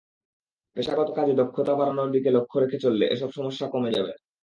পেশাগত কাজে দক্ষতা বাড়ানোর দিকে লক্ষ রেখে চললে এসব সমস্যা কমে যাবে।